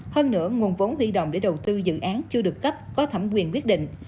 hơn nữa nguồn vốn huy động để đầu tư dự án chưa được cấp có thẩm quyền quyết định